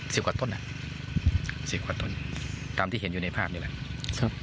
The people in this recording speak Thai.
กว่าต้นอ่ะสิบกว่าต้นตามที่เห็นอยู่ในภาพนี่แหละครับ